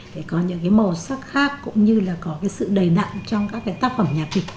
để có những màu sắc khác cũng như là có sự đầy đặn trong các tác phẩm nhạc kịch